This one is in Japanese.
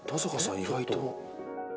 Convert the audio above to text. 意外と。